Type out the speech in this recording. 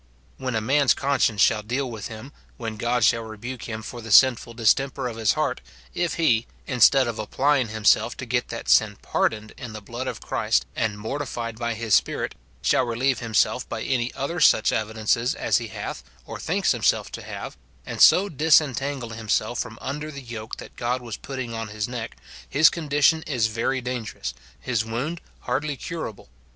When a man's conscience shall deal with him, when God shall rebuke him for the sinful distemper of his heart, if he, instead of applying himself to get that sin pardoned in the blood of Christ and mortified by his Spirit, shall relieve himself by any such other evidences as he hath, or thinks himself to have, and so disentangle himself from under the yoke that God was putting on his neck, his condition is very dangerous, his wound hardly curable.